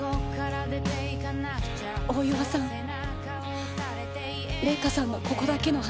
大岩さん礼香さんの「ここだけの話」